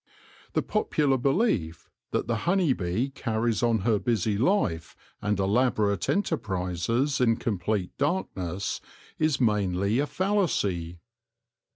The popular belief, that the honey bee carries on her busy life, and elaborate enterprises in complete darkness, is mainly a fallacy.